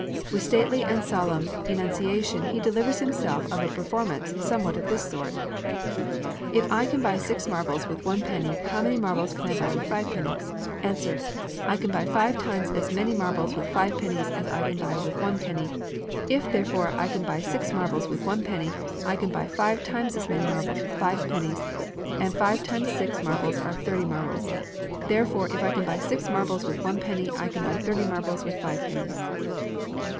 With stately and solemn enunciation he delivers himself of a performance somewhat of this sort. "If I can buy 6 marbles with 1 penny, how many marbles can I buy with 5 pennies? Answer I can buy 5 times as many marbles with 5 pennies as I can buy with 1 penny. If, therefore, I can buy 6 marbles with 1 penny, I can buy 5 times as many marbles with 5 pennies; and 5 times 6 marbles are 30 marbles. Therefore, if I can buy 6 marbles with one penny, I can buy 30 marbles with 5 pennies."